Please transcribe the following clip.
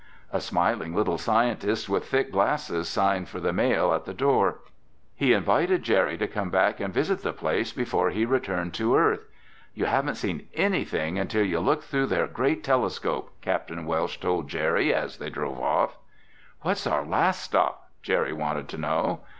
A smiling little scientist with thick glasses signed for the mail at the door. He invited Jerry to come back and visit the place before he returned to Earth. "You haven't seen anything until you look through their great telescope," Capt. Welsh told Jerry as they drove off. "What's our last stop?" Jerry wanted to know.